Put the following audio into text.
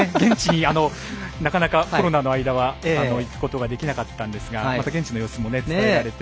なかなか現地にコロナの間は行くことができなかったんですがまた現地の様子も伝えられて。